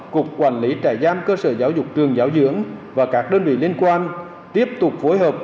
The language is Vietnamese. cục quản lý trại giam cơ sở giáo dục trường giáo dưỡng và các đơn vị liên quan tiếp tục phối hợp